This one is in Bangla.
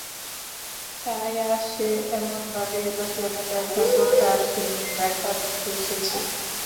তাই আজ সে এমনভাবে এল যেন দেখা করতে আসে নি, দেখা দিতে এসেছে।